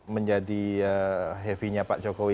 menjadi heavy nya pak jokowi